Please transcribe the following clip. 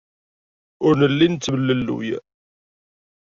Ur nelli nettemlelluy.